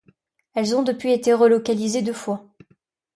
Elles ont depuis été relocalisées deux fois.